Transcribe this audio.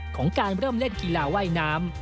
ของการเริ่มเล่นกีฬาว่ายน้ำ